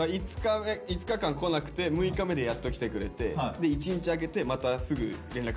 ５日間こなくて６日目でやっときてくれてで１日開けてまたすぐ連絡したもんね。